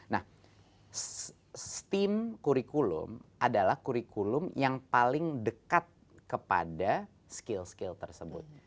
nah steam kurikulum adalah kurikulum yang paling dekat kepada skill skill tersebut